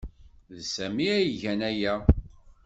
D Sami ay igan aya.